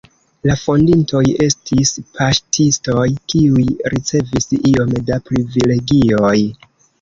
La fondintoj estis paŝtistoj, kiuj ricevis iom da privilegioj.